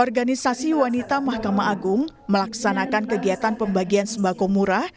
organisasi wanita mahkamah agung melaksanakan kegiatan pembagian sembako murah